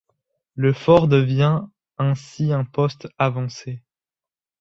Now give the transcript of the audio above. Le fort devient ainsi un poste avancé.